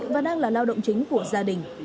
và đang là lao động chính của gia đình